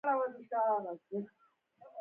څوک دې اثر ته خوشاله او څوک خوابدي کېږي.